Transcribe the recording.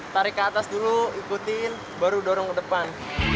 tarik ke atas dulu ikutin baru dorong ke depan